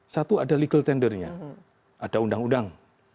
satu ada legal tendernya ada undang undang